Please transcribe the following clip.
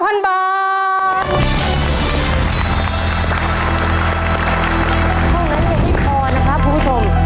เพราะฉะนั้นอย่างนี้พอนะครับคุณผู้ชม